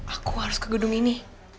aku harus ke gedung ini